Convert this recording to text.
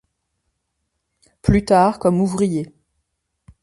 Plus tard comme ouvrier.